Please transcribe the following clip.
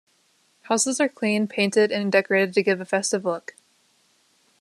Houses are cleaned, painted and decorated to give a festive look.